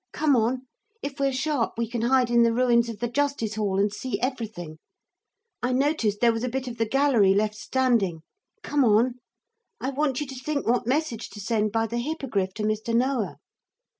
Come on; if we're sharp we can hide in the ruins of the Justice Hall and see everything. I noticed there was a bit of the gallery left standing. Come on. I want you to think what message to send by the Hippogriff to Mr. Noah.'